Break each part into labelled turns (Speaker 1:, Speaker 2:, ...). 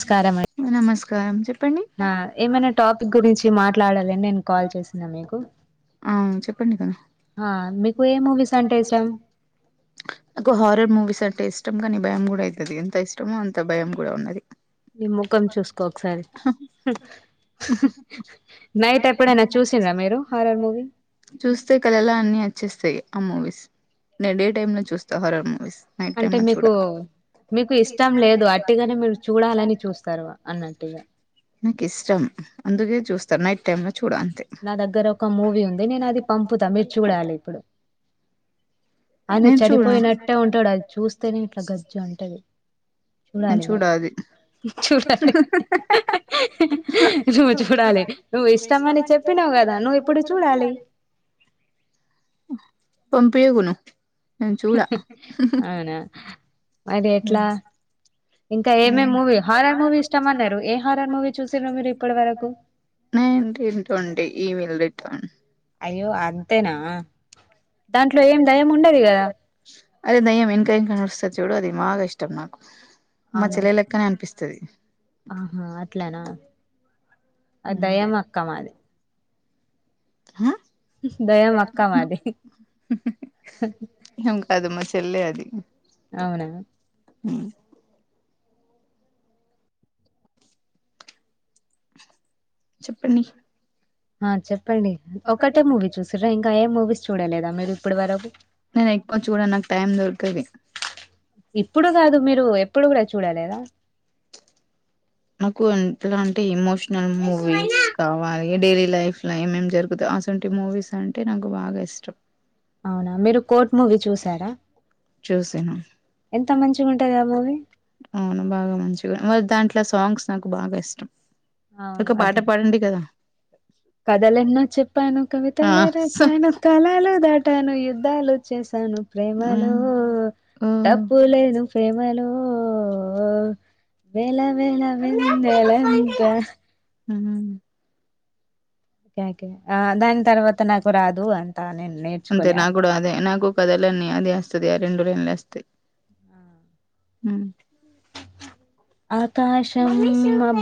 Speaker 1: నమస్కారం అండి
Speaker 2: నమస్కారం చెప్ప
Speaker 1: ఆ ఏమైనా టాపిక్ గురించి మాట్లాడాలని నేను కాల్ చేసిన మీకు
Speaker 2: ఆ చెప్పండి కదా
Speaker 1: ఆ మీకు ఏ మూవీస్ అంటే ఇష్టం
Speaker 2: నాకు హారర్ మూవీస్ అంట ఇష్ ఇష్టం కానీ భయం కూడా అవుతుంది ఎంత ఇష్టమో అంత భయం కూడా ఉన్నది
Speaker 1: మీ ముఖం చూసుకో ఒకసారి నైట్ ఎప్పుడైనా చూసిండ్రా మీరు హారర్ మూవీ
Speaker 2: చూస్తే కళలు అన్ని వచ్చేస్తాయి ఆ మూవీస్ నేను ఏ డే టైమ్ లో చూస్తా హరర్ మూవీస్ నైట్ టైమ్
Speaker 1: అంటే
Speaker 2: లో చూడ
Speaker 1: మీకు మీకు ఇష్టం లేదు అట్టిగానే మీరు చూడాలని చూస్త
Speaker 2: నాకు ఇష్టం అందుకే చూస్తా నైట్ టైమ్ చూడ అంతే
Speaker 1: నా దగ్గర ఒక మూవీ ఉంది నేను అది పంపుతా మీరు చుడాలి ఇప్పుడు ఆయన
Speaker 2: నేను చూడ
Speaker 1: చనిపోయినట్టే ఉంటాడు అది చూస్తేనే ఇట్లా గజ్జు ఉంటది
Speaker 2: నేను చూడ అది
Speaker 1: చూడాలి నువ్వు చూడాలి నువ్వు ఇష్టమని చెప్పినవ్వు వు కదా నువ్వు ఇప్పుడు చూడాలి
Speaker 2: పంపించకు నేను చూడ
Speaker 1: అయిన ఎట్లా ఇంకా ఏమే మూవీ హారార్ మూవీ ఇష్టామ అన్నారు ఏ హారర్ మూవీ చూసారు మీరు ఇప్పటి వరకు
Speaker 2: నడి రంటడి ఈమెయిల్ రిటర్న్
Speaker 1: అయ్యో అంతేనా దాంట్లో ఏం దయం ఉండది కదా
Speaker 2: అదే దయ్యం ఇంకా ఇంకా నడుస్తుంది చూడు అది బాగా ఇష్టం నాకు మా
Speaker 1: అవునా
Speaker 2: చెల్ల లెక్కనే అనిపిస్తుంది
Speaker 1: ఆహా అట్లనా ఆ దయ్యం అక్క అది దయం అక్క మాది
Speaker 2: ఏం కాదు మ పిళ్ళై అది
Speaker 1: అవునా
Speaker 2: హ్మ్మ్ చెప్పండి
Speaker 1: ఆ
Speaker 2: చెప్పండి
Speaker 1: ఒకటే మూవీ
Speaker 2: ఒకే
Speaker 1: చూసిర్రా ఇంకా ఏ మూవీస్ చూడలేదా మీరు ఇప్పటి వరకు
Speaker 2: ఎక్కువ చూడా నాకు టైం దొరకది
Speaker 1: ఇప్పుడు కాదు మీరు ఎప్పుడు కూడా చూడాలేదా
Speaker 2: నాకు ఇట్లాంటి ఇమోషనల్ మూవీస్ కావాలి డైలీ లైఫ్లో ఏమేం జరుగుత అసవంటి మూవీస్ అంటే నాకు బాగా ఇష్టం
Speaker 1: అవునా మీరు కోర్ట్ మూవీ చూసారా
Speaker 2: చూసను
Speaker 1: ఎంత మంచిగా ఉంటది ఆ మూవీ
Speaker 2: అవును బాగా మంచి మరి దాంట్లో సాంగ్స్ నాకు బాగా ఇష్టం ఒక పాట పాడండి కదా
Speaker 1: కథలెనో చెప్పాను కవిత
Speaker 2: ఆ
Speaker 1: లే
Speaker 2: స
Speaker 1: రాసను కాలాలు దాటాను యుద్ధాలు చే చేసా ను ప్రేమలో
Speaker 2: ఓ
Speaker 1: తప్పు లేదు ప్రేమలో ఓ వేళ వేళ వెందేలంత
Speaker 2: హ్మ్మ్
Speaker 1: కే ఆ దాని తర్వాత నాకు రాదు అంతా నేను నేర్చుకొని ఆ
Speaker 2: కదలన్నీ అదివస్తుంది ఆ రెండు లైన్ల వస్తయి హ్మ్మ్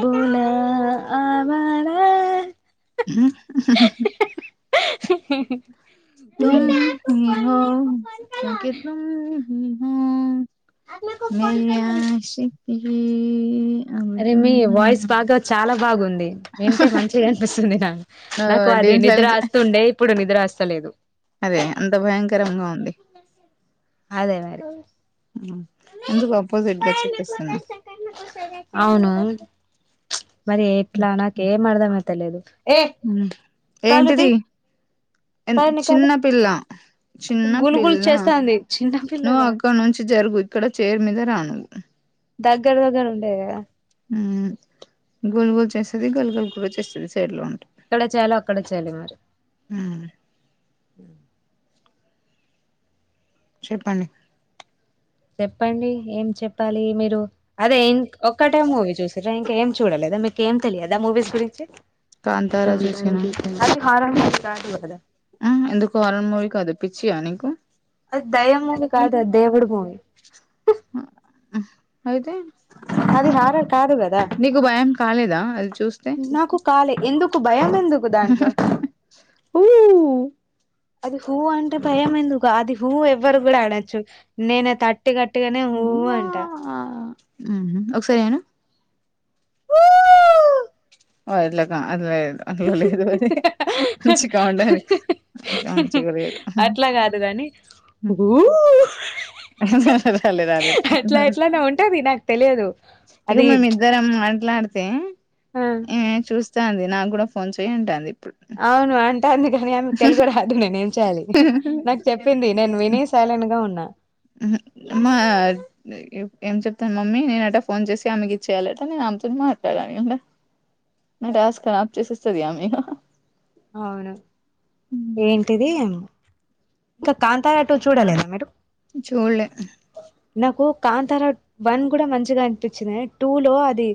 Speaker 1: తులా
Speaker 2: తుమ్ హీ హూ మీయాసిపి
Speaker 1: అరే మీ వాయిస్ బాగా చాలా బాగుంది వింటే మంచిగా అనిపిస్తుంది నాకు
Speaker 2: ఆ
Speaker 1: నాకు అది అది
Speaker 2: దేంట్లో
Speaker 1: నిద్ర
Speaker 2: అయినా
Speaker 1: వస్తుండే ఇప్పుడు నిద్ర వస్తలేదు
Speaker 2: అదే అంత భయంకరంగా ఉంది
Speaker 1: అదే మరి
Speaker 2: ఎందుకు ఆపోజిట్గా చెప్పిస్తున్నా
Speaker 1: అవును మరి ఎట్లా నాకేం అర్థమైతలేదు ఏ కాళ్ళు తీ
Speaker 2: ఏంటిది ఎ
Speaker 1: పైన నీ కాళ్ళు
Speaker 2: చిన్న పిల్ల చిన్న
Speaker 1: గులుగులు
Speaker 2: పిల్ల
Speaker 1: చేస్తాంది
Speaker 2: నువ్వు
Speaker 1: చిన్నపిల్లగా
Speaker 2: అక్కడ నుంచి జరుగు ఇక్కడ చైర్ మీద రానువు
Speaker 1: దగ్గర దగ్గర ఉండేది కదా
Speaker 2: గోలు గోల్ చేస్తుది గోలు గోలు కూడా చేస్తుంది సైడ్ లో ఉంటంది
Speaker 1: ఇక్కడే చేలో అక్కడే చేయాలి మరి
Speaker 2: ఆ
Speaker 1: ఆ
Speaker 2: చెప్పండి
Speaker 1: చెప్పండి ఏం చెప్పాలి మీరు అదే ఇం ఒక్కటే మూవీ చూసారా ఇంక ఏం చూడలేదు అద మీకేం తెలియదా మూవీస్ గురించి
Speaker 2: కాంతారా చూసిన
Speaker 1: అదిే హారద
Speaker 2: ఎందుకు అరంమొయి కదిపిించి అ
Speaker 1: అది దయ మూవ కాదు అ దేవుడు మూవి
Speaker 2: అయితే
Speaker 1: హు అది హారర్ కాదు కదా
Speaker 2: నీకు భయం కాలేదా అది చూస్తే
Speaker 1: నాకు కాలే ఎందుకు భయం ఎందుకు దాంట్లో
Speaker 2: ఊ
Speaker 1: అది హూ అంటే భయం ఎందుకు అది హూ ఎవ్వరు కూడా ఆడచ్చు నేనే తట్ పట్టి కట్టుగానే ఊ అంట
Speaker 2: ఉ ఒకసారి అేనా ఓ ఎలా కా అదిదు అందులో లేదు అది మంచిగా ఉండాలి అట్ మంచిగా లేదు
Speaker 1: అట్లా కాదు ఊ
Speaker 2: రాలే రాలేదు
Speaker 1: అట్లా ఎట్లానే ఉంటది నాకు తెలియదు
Speaker 2: ఇగ
Speaker 1: అది
Speaker 2: మే ఇద్దర మాట్లాడితే
Speaker 1: ఆ
Speaker 2: ఏ చూస్తా అంది నాకు కూడా ఫోన్ చేయంటాంది
Speaker 1: అవును అంటే అంది కాని ఆమె తెలుగు రాదు నేను ాలి నాకు చెప్పింది నేను వినేయ్ సైలెంట్ గా ఉన్నా
Speaker 2: మా ఏం చెప్తాను మమ్మీ నేనట ఫోన్ చేసి ఆమెకి ఇచ్చేయాలిట నేను అమ్తోని మాట్లాడనింట నంటే ఆస్కరాప్ చేసిస్తదియా మీ
Speaker 1: అవును ఏంటిది ఇంకా కాంతారాట చూడాలద మీరు
Speaker 2: చూడలే
Speaker 1: నాకు కాంతారావు వన్ కూడా మంచిగా అనిపించింది టూ లో అది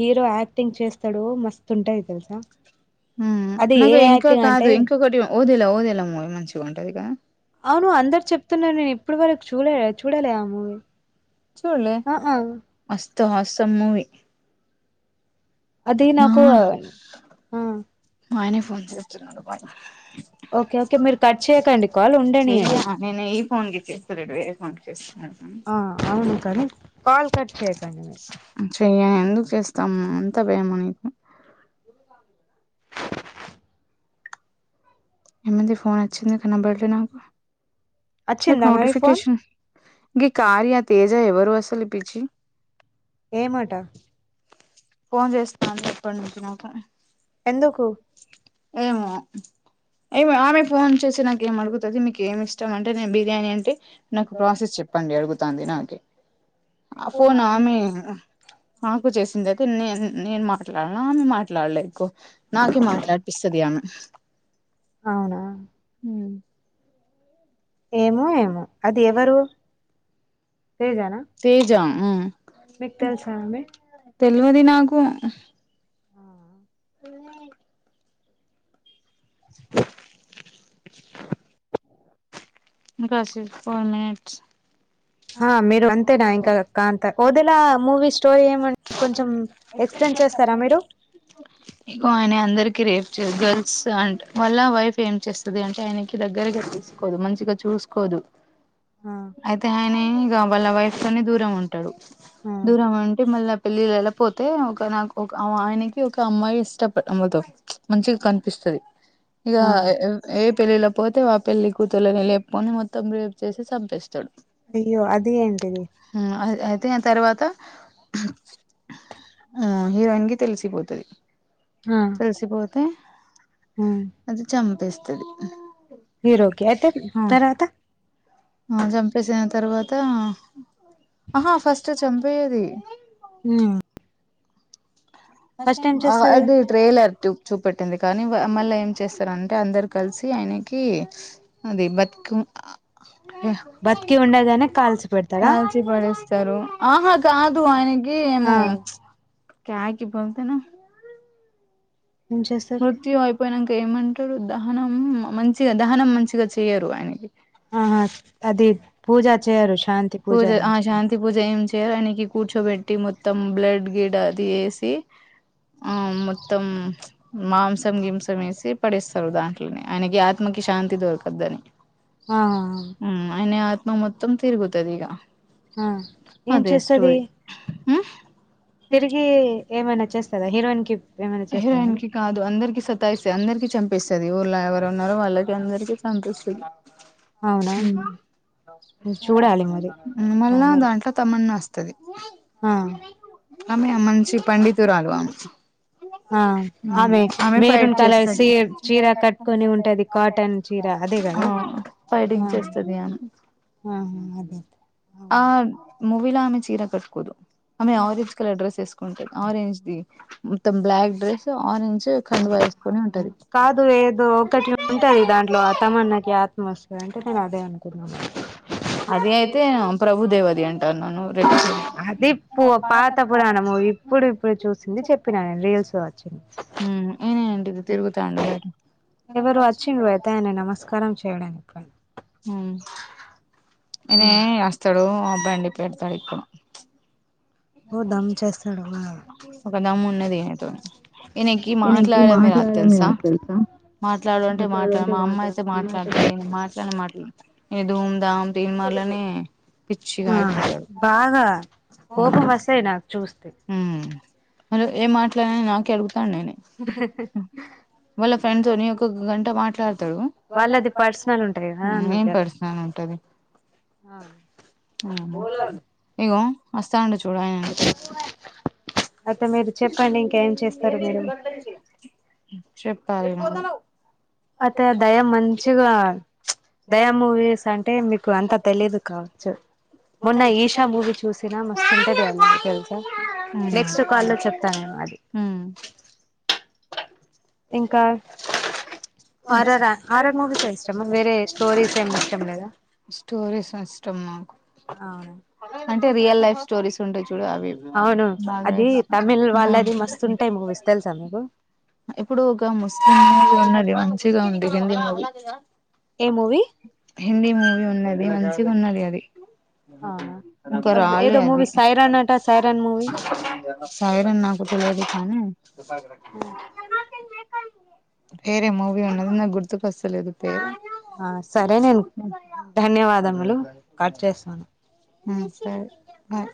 Speaker 1: హీరో యాక్టింగ్ హీరో యాక్టింగ్ మస్త్ ఉంతది
Speaker 2: నాక ఇంకా కాదు ఇంకొకటి ఓదేలా ఓదేలా మ మంచిగా ఉంటుది క
Speaker 1: అవును అందరు చెప్తున్న నేను ఇప్పుడు వరకు చూడలేము ఆ ఆ
Speaker 2: సమూవి
Speaker 1: అది నాకు ఆ
Speaker 2: మాయనే ఫోన్ చేస్తున్నాడు బ
Speaker 1: ఓకే ఓకే మీరు కట్ చేయకండి కాల్
Speaker 2: స
Speaker 1: ఉండనియండి
Speaker 2: అనే న ఫోన్ చేస్త రెడ్ వే ఫోన్ చేస్త
Speaker 1: ఆ అవును కానీ కల్ కట్ కక
Speaker 2: చెయ్యని ఎందుకు చేస్తాము ఎంత భేమో నీకు ఏమంది ఫోన్ వచ్చింది ఇ నంబర్లో నాకు నాకు
Speaker 1: వచ్చిందా మరి ఫోన్
Speaker 2: నోటిఫికేషన్ ఇంక కార్ ఆ తేజ ఎవరు అసలు ఈ పిచి
Speaker 1: ఏ మాట
Speaker 2: ఫోన్ చేస్తాను ఎప్పటి నుంచి మాకు
Speaker 1: ఎందుకు
Speaker 2: ఏమో ఏమి ఆమె ఫోన్ చేసి నాక ఏం అడుగుతుది మీకు ఏమి ఇష్టం అంటే నేను బిర్యానీ అంటే నాకు ప్రాసెస్ చెప్పండి అడుగుతుంది నాకే ఆ ఫోన్ ఆమె మాకు చేసిందే నేను మాట్లాడాల ఆమె మాట్లాడలే ఎక్కువ నాక మాట్లాడిపిస్తది ఆమె
Speaker 1: అవునా
Speaker 2: హ్మ్
Speaker 1: ఏమో ఏమో అది ఎవరు తేజానా
Speaker 2: తేజా
Speaker 1: మీకు తెలుసా అమ్మే
Speaker 2: తెలివది నాకు
Speaker 1: ఆ
Speaker 2: బ కాసి ఫర్ మనిట్స్
Speaker 1: మీరు అంతేనా ఇంకా కాంత వదెలా మూవీ స్టోరీ ఏమంటే కొంచెం ఎక్స్
Speaker 2: ఇకు అనే అందరికి రేఫ గర్ల్స్ అంట వాళ్ళ వైఫ్ ఏం చేస్తుంది అంటే ఆయనకి దగ్గరగా తీసుకోదు మంచిగా చూసుకోదు
Speaker 1: ఆ
Speaker 2: అయితే ఆయన ఇక వాళ్ళ వైఫ్ కొని దూరం ఉంటు
Speaker 1: ఆ
Speaker 2: దూరం అంటే మళ్ళీ పెళ్ళిళ్లలా పోతే ఒక నాకు ఆయనకి ఒక అమ్మాయి ఇష్టపదు మంచిగా కనిపిస్తది ఇగా
Speaker 1: ఆ
Speaker 2: ఏ పెళ్లిలకు పోతే వా పెళ్ళలి కూతుర్రుని లేపుకొని మొత్తం రేపు చేసి చంపేస్తాడు
Speaker 1: అయ్యో అది ఏంటది
Speaker 2: అయితే ఆ తర్వాత ఆ హీరోయిన్ కి తెలిసిపోతది
Speaker 1: ఆ
Speaker 2: తెలిసిపోతే
Speaker 1: ఉమ్
Speaker 2: అది చంపేస్తది
Speaker 1: హీరోకి అయితే తర్వాత
Speaker 2: ఆ చంపేసిన తర్వాత ఆహా ఫస్ట్ చంపయది
Speaker 1: ఉమ్ ఫస్ట్ ఏం చేస్తది
Speaker 2: అది ట్రైలర్ చూప్ చూపట్టటింది కానీ మళ్ళీ ఏం చేస్తారంటే అందరు కలిసి ఆయనకి అది బతుకు
Speaker 1: బతికి ఉండగానే కాల్చి పెడతాడా
Speaker 2: కాల్సి పడేస్తారు ఆహా కాదు ఆయనకి
Speaker 1: ఆ
Speaker 2: ఏమో క్యాకి బోల్తేనా
Speaker 1: ఏం చేస్తారు
Speaker 2: మృత్యుయిపోయినాక ఏమ దహనం మంచిగా దహనం మంచిగా చెయరు ఆయనకి
Speaker 1: ఆహా అది
Speaker 2: పూజ
Speaker 1: చేయరు శాంతి
Speaker 2: పూజ శాంతి పూజా ఏం చే చేరానికి కూర్చోబెట్టి మొత్తం బ్లడ్ గిడ్ అది వేసి ఆ మొత్తం మాంసం గింసం వేసి పడేస్తారు దాంట్లోని ఆయనకి ఆత్మకి శాంతి దొరకదని
Speaker 1: ఆ
Speaker 2: అయిన ఆత్మ మొత్తం తిరుగుతది ఇగ
Speaker 1: ఆ ఏం
Speaker 2: అదే
Speaker 1: చేస్తది
Speaker 2: స్టోరీ ఉమ్
Speaker 1: తిరిగి ఏమైనా చేస్తారా హీరోయిన్ కి ఏమైనా చేస్తా
Speaker 2: కాదు అందరికి సత అందరిక చంపిస్తుది ఊళ్ళ ఎవరు ఉన్నారో వాళ్ళకి అందరికీ చంపేస్తది
Speaker 1: అవునా చూడాలి మరి
Speaker 2: మళ్ళా
Speaker 1: తాందర
Speaker 2: దాంట్లో తమన్నా వస్తా
Speaker 1: ఆ
Speaker 2: సం మంచి పండితురాలు
Speaker 1: ఆ
Speaker 2: ఆమె బయట
Speaker 1: మెరూన్ కలర్ సీ
Speaker 2: చేస్తంది
Speaker 1: చీర కట్టుకొని ఉంటది కాటన్ చీర అదే
Speaker 2: ఆ
Speaker 1: కదా
Speaker 2: ఫైడింగ్ చేస్తుది అని
Speaker 1: ఆ అదే
Speaker 2: మూవీలో ఆమె చీర కట్టుకోదు ఆమె ఆరెంజ్ కలర్ డ్రెస్ వేసుకుంటాంది ఆరెంజ్ది మొత్తం బ్లాక్ డ్రెస్ ఆరంజ్ కఖండువ వేసుకొని
Speaker 1: అవును
Speaker 2: ఉంటది
Speaker 1: కాదు ఏదో ఒకటి ఉంటది దాంట్లో ఆ తమన్నాకి ఆత్మ వస్తది అంటే నేను అదే అనుకున్నాను
Speaker 2: అది అయితే ప్రభుదేవ్ అది అంటారున్నాను రెడ్
Speaker 1: అది పొ పాత పురాన మూవీ, ఇప్పుడు ఇప్పుడు చూసింది చెప్పిన నేను రీల్స్లో వచ్చింది.
Speaker 2: ఉ ఈనేంటిది తిరుగుతాండు బయట
Speaker 1: ఎవరు వచ్చిండు అయితే ఆయన నమస్కారం చేయడానికన్
Speaker 2: ఉ అనే అస్తడూ ఆ బండి పెడ్తడు ఇప్పుడు
Speaker 1: ఓ దమ్ చేస్తాడా వ
Speaker 2: ఒక దమ్ ఇయనతోని, ఈయనకి
Speaker 1: నేను ఎగ్జిబిషన్
Speaker 2: మాట్లాడమే రాద్ తెలుసా. మాట్లాడు అంటే మాట్ల, మా అమ్మ అయితే మాట్లాడుతది. మాట్లానే మాటలు ఏదో దీన్ వల్లనే పిచ్చిగ
Speaker 1: ఆ
Speaker 2: అయిపోతడు
Speaker 1: బాగా
Speaker 2: ఉ
Speaker 1: కోపం వస్తాయి నాకు చూస్తే
Speaker 2: అరు ఏం మాట్లాడిన నాకే అడుగుతా నేనె వాళ్ళ ఫ్రెండ్ తోని ఒకొక గంట మాట్లాడ్ తడు.
Speaker 1: వాళ్ళది పర్సనల్ ఉంటాయి కదా
Speaker 2: ఉ ఏం
Speaker 1: అందుకే అక్క
Speaker 2: పర్సనల్ ఉంటది?
Speaker 1: ఆ
Speaker 2: ఇగో వస్తాండు చూడు ఆయననే
Speaker 1: అయితే మీరు చెప్పండి, ఇంక ఏం చేస్తరు మీరు?
Speaker 2: తాగినా
Speaker 1: అతే దయ మంచిగా దయా మూవీస్ అంటే మీకు అంత తెలిదు కావచ్చు మొన్న ఈశా మూవి చూసిన, మస్తు ఉంటది ఆ మూవీ తెల్సా. నెక్స్ట్ కల్ చెప్తనే అది
Speaker 2: ఇంకా
Speaker 1: హారర్ ఆ హారర్ మూవీసే ఇష్టమా, వేర స్టోరీస్ ఏం ఇష్టం లేదా?
Speaker 2: స్టోరీస్ ఇష్టం నాకు.
Speaker 1: అవునా
Speaker 2: అంటే రియల్ లైఫ్ స్టోరీస్ ఉంటయి చు
Speaker 1: అవును అది తమిళ్
Speaker 2: ఇష్టం
Speaker 1: వాళ్ళది మస్తుంటయి మూవీస్, తెల్సా మీకు?
Speaker 2: ఇప్పుడు ఒక ముస్లిం మూవీ ఉన్నది, మంచిగా ఉంది హిందీ మూవీ.
Speaker 1: ఏ మూవీ
Speaker 2: హిందీ మూవీ ఉన్నది, మంచిగున్నది అది.
Speaker 1: ఆ
Speaker 2: ఇంక రాలే
Speaker 1: ఏదో
Speaker 2: అది.
Speaker 1: మూవీ సైరాన్ అట సైరాన్ మూవీ
Speaker 2: సైర నా తెల్వదు కానీ ఏరే మూవి ఉన్నది, నాకు గుర్తుకొస్తలేదు పేరు.
Speaker 1: ఆ సరే నేన్, ధన్యవాదములు కట్ చేస్తాను.
Speaker 2: ఉ సరే బాయ్